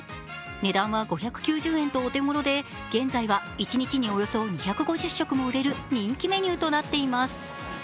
値段は５９０円とお手ごろで現在は一日におよそ２５０食も売れる人気メニューとなっています。